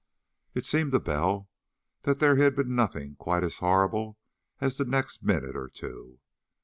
It seemed to Bell that there had been nothing quite as horrible as the next minute or two.